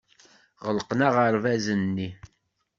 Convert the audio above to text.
Ɣelqen aɣerbaz-nni.